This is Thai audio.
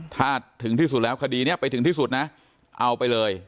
ถ้าถึงที่สุดแล้วคดีนี้ไปถึงที่สุดนะเอาไปเลย